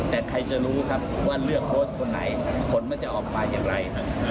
แต่ใครจะรู้ครับว่าเลือกโค้ชคนไหนผลมันจะออกมาอย่างไร